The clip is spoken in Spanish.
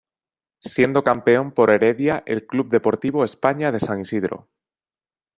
Siendo campeón por Heredia el Club Deportivo España de San Isidro.